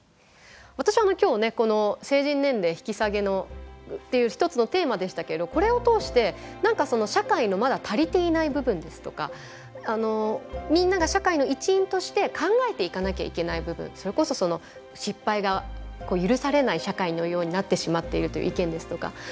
私は今日ねこの成人年齢引き下げっていう一つのテーマでしたけどこれを通して何かその社会のまだ足りていない部分ですとかみんなが社会の一員として考えていかなきゃいけない部分それこそその失敗が許されない社会のようになってしまっているという意見ですとか。